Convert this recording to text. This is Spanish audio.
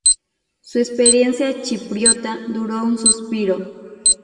Su experiencia chipriota duró un suspiro.